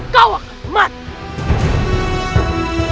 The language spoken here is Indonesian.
kau akan mati